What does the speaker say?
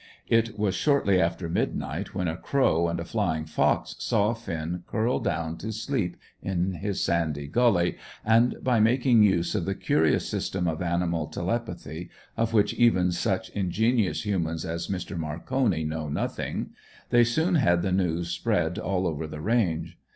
It was shortly after midnight when a crow and a flying fox saw Finn curl down to sleep in his sandy gully, and, by making use of the curious system of animal telepathy, of which even such ingenious humans as Mr. Marconi know nothing, they soon had the news spread all over the range.